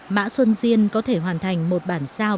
mã xuân diên có thể hoàn thành một bản sao